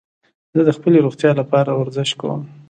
زه د خپلي روغتیا له پاره ورزش کوم.